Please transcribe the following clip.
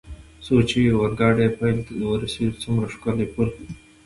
څو چې د اورګاډي پل ته ورسېدو، څومره ښکلی پل.